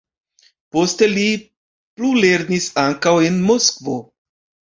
Poste li plulernis ankaŭ en Moskvo.